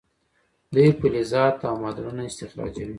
دوی فلزات او معدنونه استخراجوي.